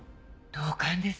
同感です。